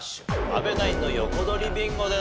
阿部ナインの横取りビンゴです。